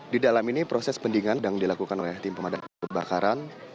di dalam ini proses pendingan yang dilakukan oleh tim pemadam kebakaran